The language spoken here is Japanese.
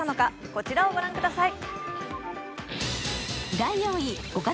こちらをご覧ください。